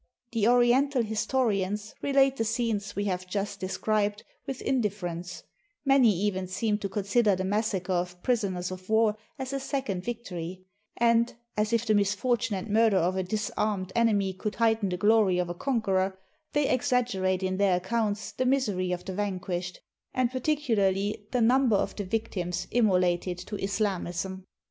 The Oriental historians relate the scenes we have just described with indifference; many even seem to con sider the massacre of prisoners of war as a second vic tory; and, as if the misfortune and murder of a dis armed enemy could heighten the glory of a conqueror, they exaggerate in their accoxmts the misery of the vanquished, and particularly the number of the victims immolated to Islamism.